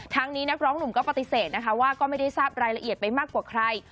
นี้นักร้องหนุ่มก็ปฏิเสธนะคะว่าก็ไม่ได้ทราบรายละเอียดไปมากกว่าใคร